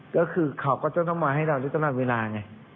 ก็คือเขาก็จะต้องมาให้เราได้ตลอดเวลาไง